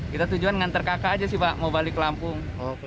kita tujuan nganter kakak aja sih pak mau balik ke lampung